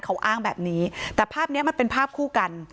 เขาอ้างแบบนี้แต่ภาพเนี้ยมันเป็นภาพคู่กัน